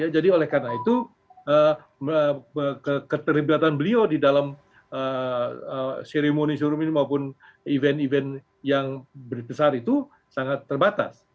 jadi oleh karena itu keterlibatan beliau di dalam ceremony serum ini maupun event event yang besar itu sangat terbatas